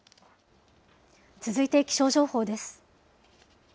続いて気象情報です。